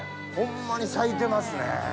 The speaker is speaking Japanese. ホンマに咲いてますね。